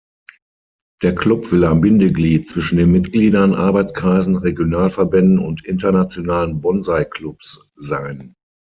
Der Club will ein Bindeglied zwischen den Mitgliedern, Arbeitskreisen, Regionalverbänden und internationalen Bonsai-Clubs sein.